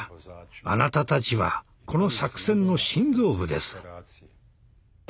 「あなたたちはこの作戦の心臓部です」。